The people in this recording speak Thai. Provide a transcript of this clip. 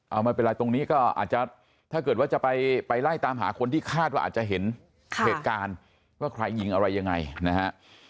เอาไม่เป็นไรตรงนี้ก็อาจจะถ้าเกิดว่าจะไปไล่ตามหาคนที่คาดว่าอาจจะเห็นเหตุการณ์ว่าใครยิงอะไรยังไงนะฮะ